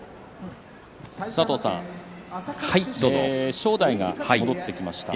正代が戻ってきました。